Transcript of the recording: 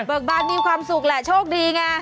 บ้านมีความสุขแหละโชคดีไง